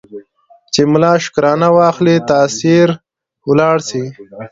چي ملا شکرانه واخلي تأثیر ولاړ سي